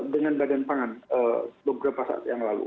dengan badan pangan beberapa saat yang lalu